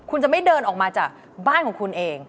คุณจะไม่เดินออกมาจากบ้านของคุณเอง